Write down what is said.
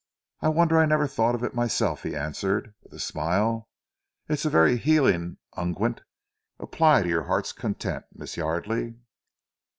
"I wonder I never thought of it myself," he answered with a smile. "It is a very healing ungent. Apply to your heart's content, Miss Yardely."